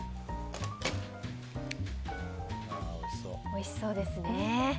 おいしそうですね。